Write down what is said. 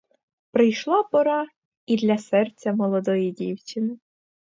Прийшла пора і для серця молодої дівчини.